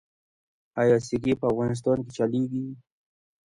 آیا سکې په افغانستان کې چلیږي؟